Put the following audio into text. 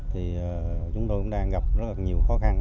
thì chúng tôi cũng đang gặp rất là nhiều khó khăn